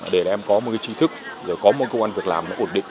để em có một trí thức có một công an việc làm ổn định